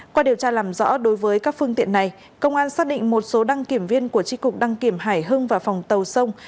qua điều tra làm rõ đối với các phương tiện này công an xác định một số đăng kiểm viên của tri cục đăng kiểm hải hưng và phòng tàu sông